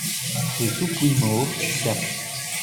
Rue sous Puymaure, Gap